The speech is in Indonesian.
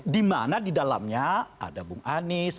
dimana di dalamnya ada bung anies